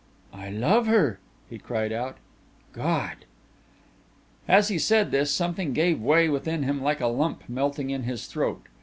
"I love her," he cried aloud, "God!" As he said this something gave way within him like a lump melting in his throat.